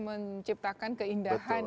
menciptakan keindahan ya